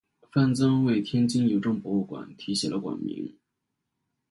范曾为天津邮政博物馆题写了馆名。